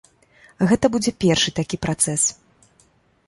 Гэта будзе першы такі працэс.